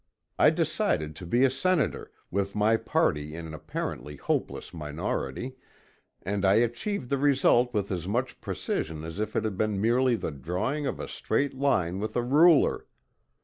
I decided to be a Senator, with my party in an apparently hopeless minority, and I achieved the result with as much precision as if it had been merely the drawing of a straight line with a ruler.